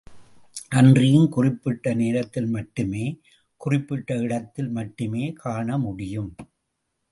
அன்றியும், குறிப்பிட்ட நேரத்தில் மட்டுமே குறிப்பிட்ட இடத்தில் மட்டுமே காண முடியும்.